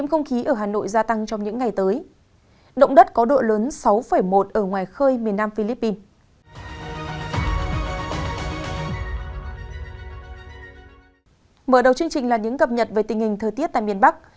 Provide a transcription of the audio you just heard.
mở đầu chương trình là những cập nhật về tình hình thời tiết tại miền bắc